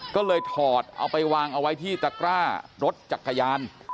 ก็เลยถอดเอาไปวางเอาไว้ที่ตะกร้ารถจักรยาน